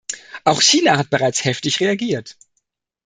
Auch China hat bereits heftig reagiert.